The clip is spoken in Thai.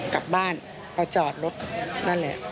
กลับบ้านเอาจอดรถนั่นแหละ